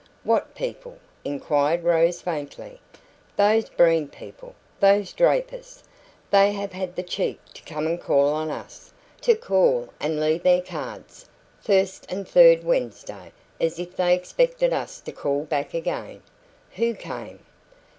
"What people?" inquired Rose faintly. "Those Breen people those DRAPERS. They have had the cheek to come and call on us to call and leave their cards, 'First and third Wednesday', as if they expected us to call back again!" "Who came?"